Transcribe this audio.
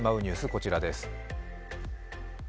こちらです。